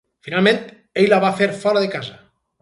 Finalment, ell la va fer fora de casa.